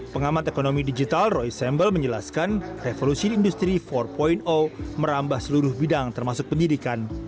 pengamat ekonomi digital roy sambel menjelaskan revolusi industri empat merambah seluruh bidang termasuk pendidikan